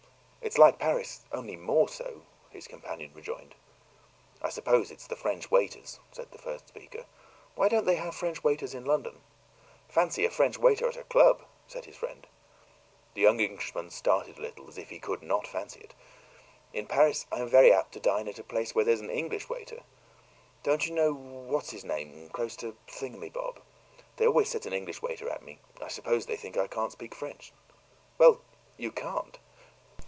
"It's like Paris only more so," his companion rejoined. "I suppose it's the French waiters," said the first speaker. "Why don't they have French waiters in London?" "Fancy a French waiter at a club," said his friend. The young Englishman started a little, as if he could not fancy it. "In Paris I'm very apt to dine at a place where there's an English waiter. Don't you know what's his name's, close to the thingumbob? They always set an English waiter at me. I suppose they think I can't speak French." "Well, you can't."